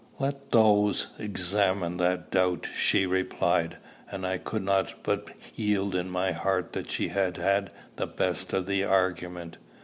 "Let those examine that doubt," she replied; and I could not but yield in my heart that she had had the best of the argument.